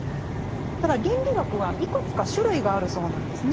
ただ倫理学はいくつか種類があるそうなんですね。